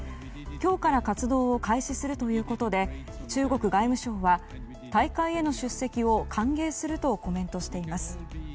今日から活動を開始するということで中国外務省は大会への出席を歓迎するとコメントしています。